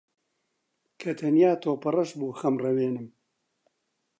کە تەنیا تۆپەڕەش بوو خەمڕەوێنم